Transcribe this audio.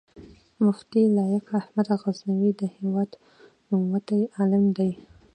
مفتي لائق احمد غزنوي د هېواد نوموتی عالم دی